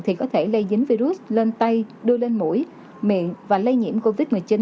thì có thể lây dính virus lên tay đưa lên mũi miệng và lây nhiễm covid một mươi chín